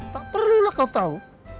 tak perlulah kau tahu